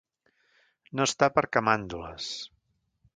No estar per camàndules.